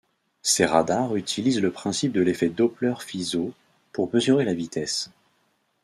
Ces radars utilisent le principe de l'effet Doppler-Fizeau pour mesurer la vitesse.